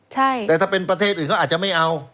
แต่ถ้าเป็นประเทศอื่นเขาอาจจะไม่เอา